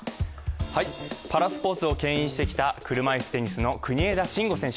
パラスポーツをけん引してきた車いすテニスの国枝慎吾選手。